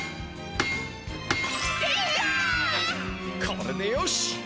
これでよし！